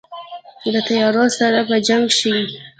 د تیارو سره په جنګ شي